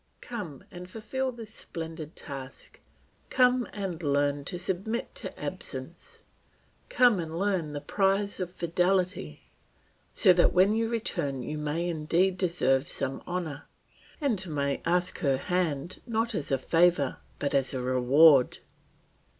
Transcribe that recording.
Come and fulfil this splendid task; come and learn to submit to absence; come and earn the prize of fidelity, so that when you return you may indeed deserve some honour, and may ask her hand not as a favour but as a reward."